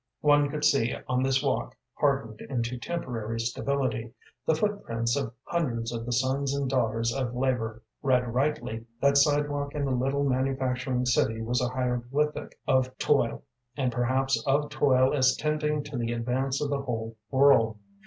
One could see on this walk, hardened into temporary stability, the footprints of hundreds of the sons and daughters of labor. Read rightly, that sidewalk in the little manufacturing city was a hieroglyphic of toil, and perhaps of toil as tending to the advance of the whole world.